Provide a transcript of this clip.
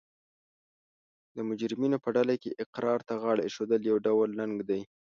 د مجرمینو په ډله کې اقرار ته غاړه ایښول یو ډول ننګ دی